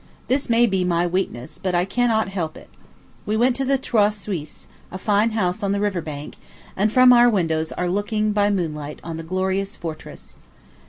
This may be my weakness; but I cannot help it. We went to the Trois Suisses, a fine house on the river bank, and from our windows are looking, by moonlight, on the glorious fortress.